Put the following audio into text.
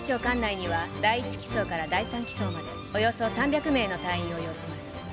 管内には第１機捜から第３機捜までおよそ３００名の隊員を擁します